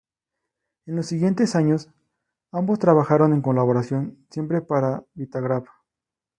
En los siguientes años ambos trabajaron en colaboración, siempre para Vitagraph.